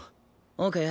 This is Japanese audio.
オーケー。